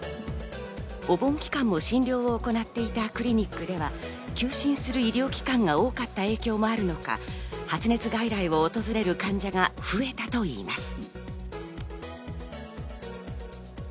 お盆期間も診療を行っていたクリニックでは、休診する医療機関が多かった影響もあるのか、発熱外来を訪れる患者が増えたといいます。